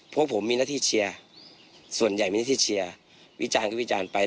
พวกผมมีหน้าที่เชียร์ส่วนใหญ่มีหน้าที่เชียร์วิจารณ์ก็วิจารณ์ไป